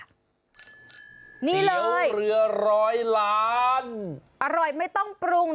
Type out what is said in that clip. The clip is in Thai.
เปี๋ยวเรือร้อยล้านอร่อยไม่ต้องปรุง